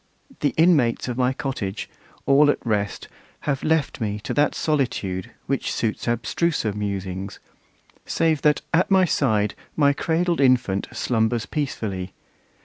The inmates of my cottage, all at rest, Have left me to that solitude, which suits Abstruser musings: save that at my side My cradled infant slumbers peacefully.